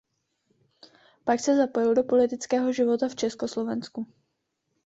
Pak se zapojil do politického života v Československu.